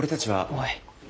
おい。